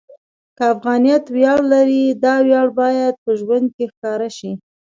که افغانیت ویاړ لري، دا ویاړ باید په ژوند کې ښکاره شي.